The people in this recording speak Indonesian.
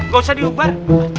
gak usah diubar